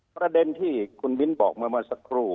ประเด็นที่คุณมิ้นบอกเมื่อสักครู่